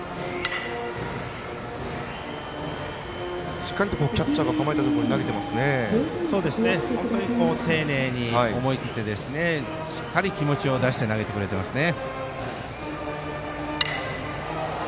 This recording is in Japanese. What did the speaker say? しっかりとキャッチャーが構えたところに丁寧に思い切ってしっかり気持ちを出して投げてくれてますね。